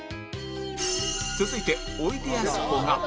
続いておいでやすこが